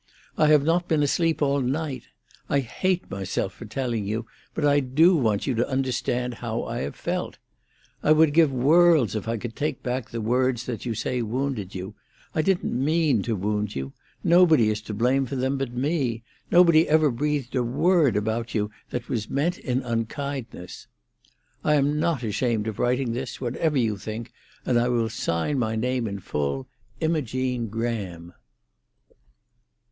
I have not been asleep all night. I hate myself for telling you, but I do want you to understand how I have felt. I would give worlds if I could take back the words that you say wounded you. I didn't mean to wound you. Nobody is to blame for them but me; nobody ever breathed a word about you that was meant in unkindness. "I am not ashamed of writing this, whatever you think, and I will sign my name in full. IMOGENE GRAHAM."